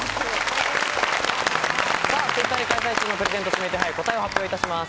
Ｔｗｉｔｔｅｒで開催中のプレゼント指名手配、答えを発表いたします。